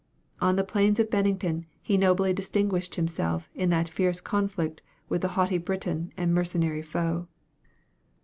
On the plains of Bennington he nobly distinguished himself in that fierce conflict with the haughty Briton and mercenary foe.